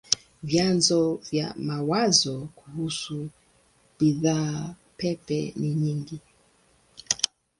Vyanzo vya mawazo kuhusu bidhaa pepe ni nyingi.